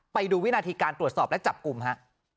ไปดูวินาทีการตรวจสอบและจับกลุ่มฮะ